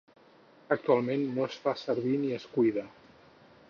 Actualment no es fa servir ni es cuida.